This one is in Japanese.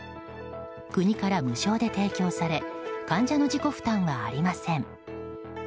国から無償で提供され患者の自己負担はありません。